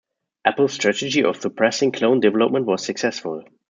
Apple's strategy of suppressing clone development was successful.